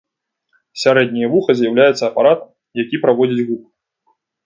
Сярэдняе вуха з'яўляецца апаратам, які праводзіць гук.